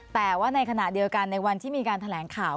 แต่ว่าในขณะเดียวกันในวันที่มีการแถลงข่าว